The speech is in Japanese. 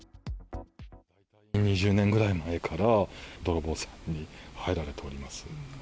２０年ぐらい前から泥棒さんに入られております。